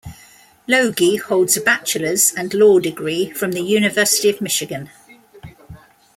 Logie holds a bachelors' and law degree from the University of Michigan.